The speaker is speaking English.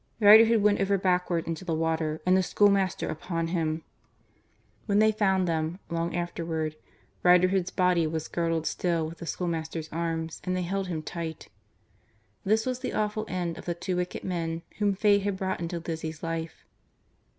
Riderhood went over backward into the water, and the schoolmaster upon him. When they found them, long afterward, Riderhood's body was girdled still with the schoolmaster's arms and they held him tight. This was the awful end of the two wicked men whom fate had brought into Lizzie's life.